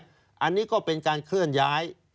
อันนี้ก็เป็นการเคลื่อนย้าย